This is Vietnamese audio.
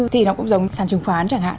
thì nó cũng giống sàn chứng khoán chẳng hạn